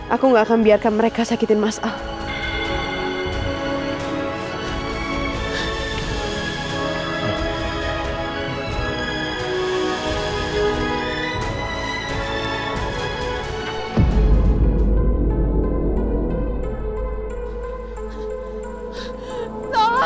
aku nggak akan biarkan mereka sakitin mas al